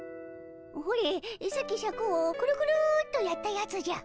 ほれさっきシャクをクルクルッとやったやつじゃ。